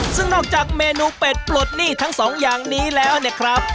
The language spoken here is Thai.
ซึ่งนอกจากเมนูเป็ดปลดหนี้ทั้งสองอย่างนี้แล้วเนี่ยครับ